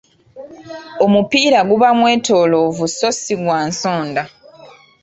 Omupiira guba mwetoloovu so si gwa nsonda.